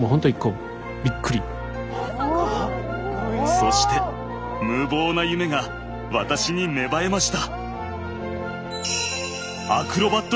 そして無謀な夢が私に芽生えました。